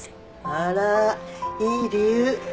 あらいい理由。